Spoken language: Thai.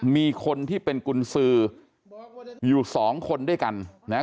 มีคนที่เป็นกุญสืออยู่สองคนด้วยกันนะ